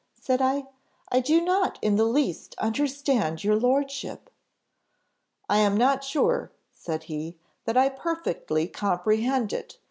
said I, 'I do not in the least understand your lordship.' 'I am not sure,' said he, 'that I perfectly comprehend it.